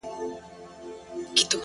چي وركوي څوك په دې ښار كي جينكو ته زړونه،